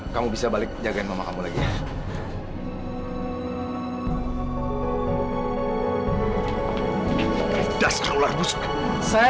kamu bisa balik jagain mama kamu lagi